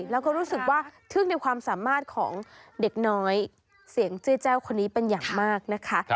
แล้วก็รู้สึกว่าทึ่งในความสามารถของเด็กน้อยเสียงจื้อแจ้วคนนี้เป็นอย่างมากนะคะ